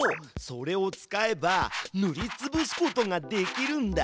それを使えばぬりつぶすことができるんだ。